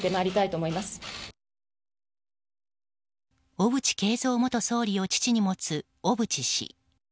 小渕恵三元総理を父に持つ小渕氏。